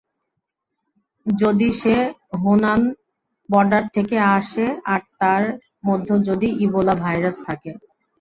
যদি সে Hunan border থেকে আসে আর তার মধ্যে যদি ইবোলা ভাইরাস থাকে?